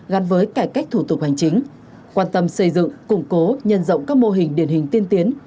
gắn với cải cách thủ tục hành chính quan tâm xây dựng củng cố nhân rộng các mô hình điển hình tiên tiến